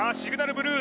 ブルー